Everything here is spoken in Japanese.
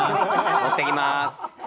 持っていきます。